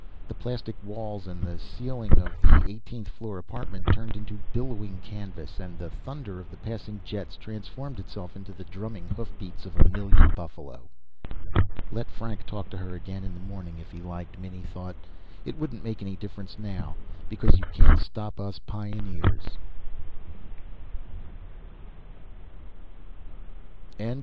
The plastic walls and ceiling of the eightieth floor apartment turned to billowing canvas, and the thunder of the passing jets transformed itself into the drumming hoofbeats of a million buffalo. Let Frank talk to her again in the morning if he liked, Minnie thought. _It wouldn't make any difference now. Because you can't stop us pioneers.